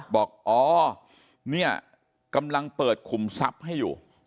บอกอ๋อเนี่ยกำลังเปิดขุมทรัพย์ให้อยู่